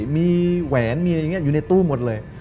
มีแหวนมีอะไรอย่างนี้อยู่ในตู้หมดเลย